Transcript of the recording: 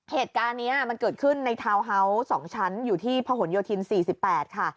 เหตุการณ์นี้มันเกิดขึ้นในทาวน์เฮาส์๒ชั้นอยู่ที่พหนโยธิน๔๘ค่ะ